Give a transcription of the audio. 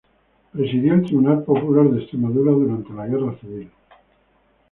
Presidió el Tribunal Popular de Extremadura durante la Guerra Civil.